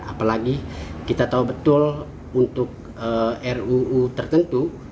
apalagi kita tahu betul untuk ruu tertentu